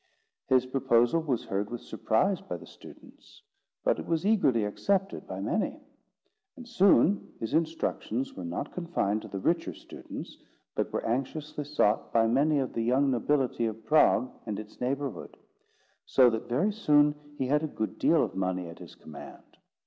His proposal was heard with surprise by the students; but it was eagerly accepted by many; and soon his instructions were not confined to the richer students, but were anxiously sought by many of the young nobility of Prague and its neighbourhood. So that very soon he had a good deal of money at his command.